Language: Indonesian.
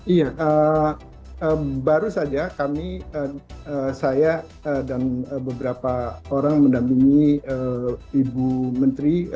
iya baru saja kami saya dan beberapa orang mendampingi ibu menteri